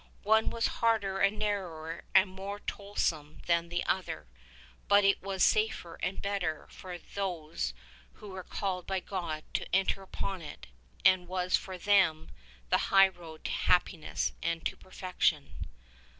One was harder and narrower and more toilsome than the other, but it was safer and better for those who were called by God to enter upon it and was for them the high road to happiness and to perfection.